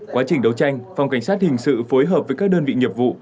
quá trình đấu tranh phòng cảnh sát hình sự phối hợp với các đơn vị nghiệp vụ